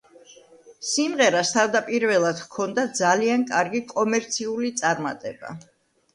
სიმღერას თავდაპირველად ჰქონდა ძალიან კარგი კომერციული წარმატება.